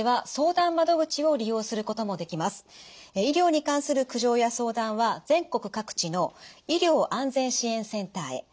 医療に関する苦情や相談は全国各地の医療安全支援センターへ。